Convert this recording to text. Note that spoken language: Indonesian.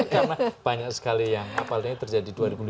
karena banyak sekali yang terjadi